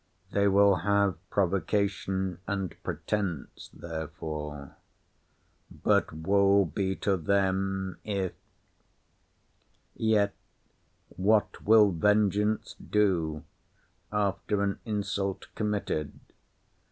They will have provocation and pretence therefore. But woe be to them, if—— Yet what will vengeance do, after an insult committed?